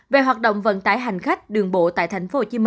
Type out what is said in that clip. về hoạt động vận tải hành khách đường bộ tại tp hcm